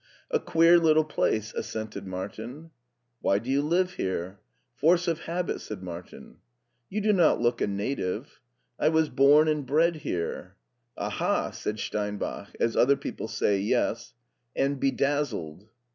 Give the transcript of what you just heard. A queer little place/' assented Martin. Why do you live here ? Force of habit," said Martin. wwru— A^ .. i: t^^ ^»*' You do not look a native." '* I was bom and bred here." " Aha," said Steinbach, as other people say " Yes/' "and bedazzled."